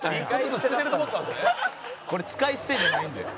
「これ使い捨てじゃないんで」